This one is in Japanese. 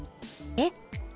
えっ？